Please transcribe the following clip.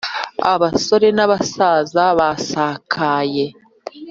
Abasore n'abasaza basakaya